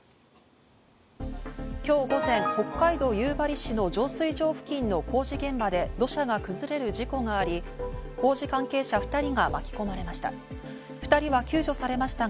今日午前、北海道夕張市の浄水場付近の工事現場で土砂が崩れる事故があり、工事関係者２人が巻き込まれました。